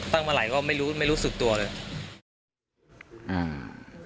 ตั้งมาไหลก็ไม่รู้ไม่รู้สึกตัวเลย